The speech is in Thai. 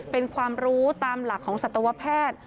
เป็นความรู้ตามหลักของสัตวแพทย์